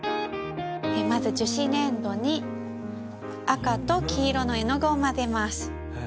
まず樹脂粘土に赤と黄色の絵の具を混ぜます。